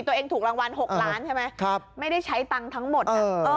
ตัวเองถูกรางวัล๖ล้านใช่ไหมไม่ได้ใช้ตังค์ทั้งหมด